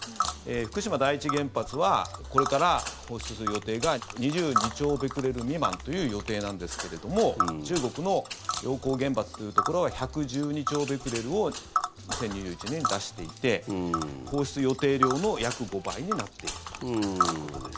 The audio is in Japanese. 福島第一原発はこれから放出する予定が２２兆ベクレル未満という予定なんですけれども中国の陽江原発というところは１１２兆ベクレルを２０２１年に出していて放出予定量の約５倍になっているということです。